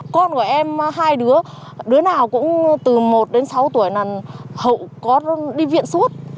con của em hai đứa đứa nào cũng từ một đến sáu tuổi là hậu có đi viện suốt